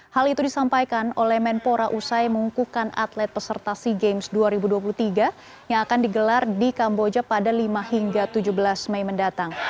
hal itu disampaikan oleh menpora usai mengukuhkan atlet peserta sea games dua ribu dua puluh tiga yang akan digelar di kamboja pada lima hingga tujuh belas mei mendatang